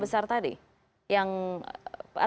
yang atau partai utama di tiap tiap provinsi berapa